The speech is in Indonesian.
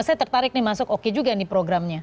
saya tertarik nih masuk oke juga nih programnya